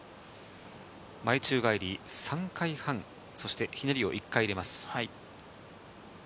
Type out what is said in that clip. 前宙返り３回半、そしてひねりを１回入れます。